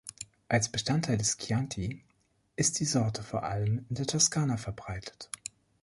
Als Bestandteil des Chianti ist die Sorte vor allem in der Toskana verbreitet.